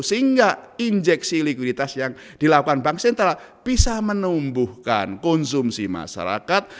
sehingga injeksi likuiditas yang dilakukan bank sentral bisa menumbuhkan konsumsi masyarakat